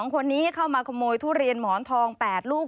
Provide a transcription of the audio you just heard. คนนี้เข้ามาขโมยทุเรียนหมอนทอง๘ลูก